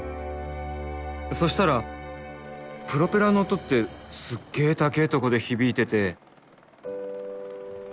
そしたらプロペラの音ってすっげぇ高ぇとこで響いてて。